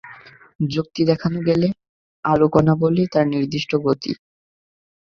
যুক্তি দেখানো গেল, আলো কণা বলেই তার গতি নির্দিষ্ট।